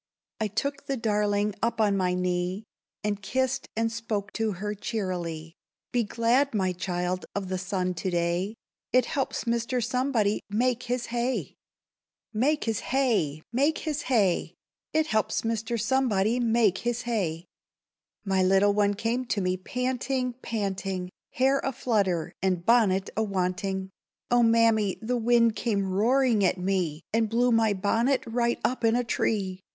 I took the darling up on my knee, And kissed, and spoke to her cheerily. "Be glad, my child, of the sun to day! It helps Mr. Somebody make his hay." Cho.—Make his hay! make his hay! It helps Mr. Somebody make his hay. My little one came to me panting, panting, Hair a flutter, and bonnet a wanting. "Oh, Mammy! the wind came roaring at me, And blew my bonnet right up in a tree!"